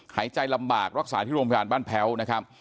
หายใจลำบากรักษาที่โรงพยาบาลบ้านแพ้วนะครับ